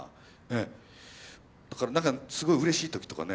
だからなんかすごいうれしい時とかね